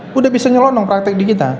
sudah bisa menyelonong praktik di kita